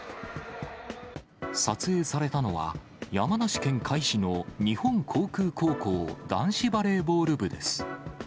撮影されたのは、山梨県甲斐市の日本航空高校男子バレーボール部です。